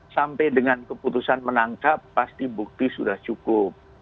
sampai dengan keputusan menangkap pasti bukti sudah cukup